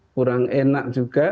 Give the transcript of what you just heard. kurang enak juga